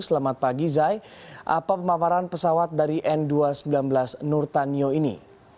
selamat pagi zay apa pemaparan pesawat dari n dua ratus sembilan belas nurtanio ini